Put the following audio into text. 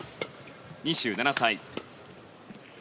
２７歳。